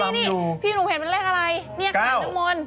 นี้พี่หนูเห็นมันเลขอะไรเนี่ยขันนโมน